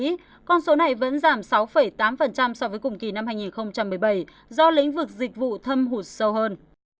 trong khi đó thẳng dự báo chỉ giảm một trong quý i năm hai nghìn một mươi bảy do lĩnh vực dịch vụ thâm hụt sâu hơn